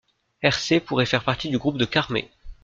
Hersé pourrait faire partie du groupe de Carmé.